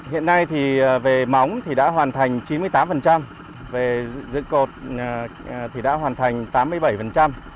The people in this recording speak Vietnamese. hiện nay thì về móng thì đã hoàn thành chín mươi tám về dựng cột thì đã hoàn thành tám mươi bảy